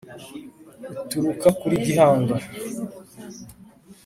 uturuka kuri gihanga